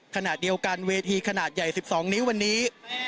ขณะเดียวกันเวทีขนาดใหญ่๑๒นิ้ววันนี้